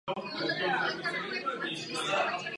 Teprve za První republiky vznikl český název "Pec v Krkonoších".